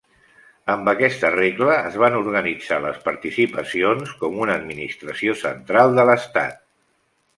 Amb aquesta regla es van organitzar les participacions com una administració central de l'estat.